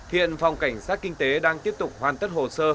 hiện phòng cảnh sát kinh tế đang tiếp tục hoàn tất hồ sơ